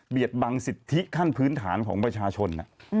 บังสิทธิขั้นพื้นฐานของประชาชน